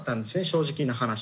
正直な話。